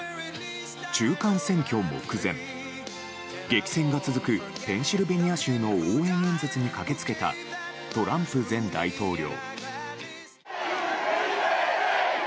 中間選挙目前、激戦が続くペンシルベニア州の応援演説に駆け付けたトランプ前大統領。